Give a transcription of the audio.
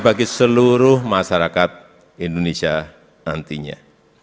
bagi seluruh masyarakat indonesia nantinya